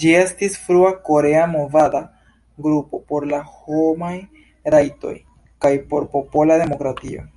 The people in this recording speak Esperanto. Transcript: Ĝi estis frua korea movada grupo por la homaj rajtoj, kaj por popola demokratio.